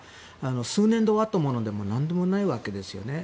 数年で終わるものでも何でもないわけですよね。